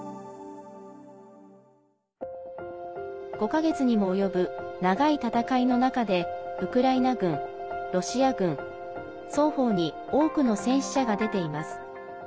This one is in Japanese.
５か月にも及ぶ長い戦いの中でウクライナ軍、ロシア軍双方に多くの戦死者が出ています。